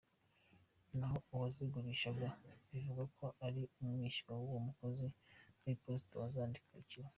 Naho uwazigurishaga bivugwa ko ari umwishywa w’uwo mukozi w’iposita wazandikiwe.